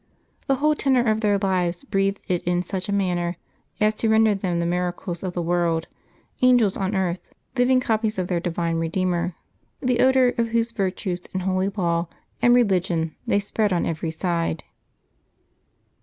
The whole tenor of their lives breathed it in such a manner as to render them the miracles of the world, angels on earth, living copies of their divine Redeemer, the odor of whose virtues and holy law and re ligion they spread on every side.